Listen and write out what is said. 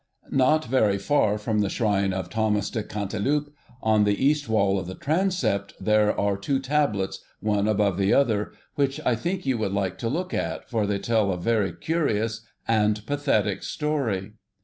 Not very far from the shrine of Thomas de Cantilupe, on the east wall of the transept, there are two tablets, one above the other, which I think you would like to look at, for they tell a very curious and pathetic story.